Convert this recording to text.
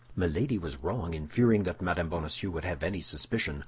Milady was wrong in fearing that Mme. Bonacieux would have any suspicion.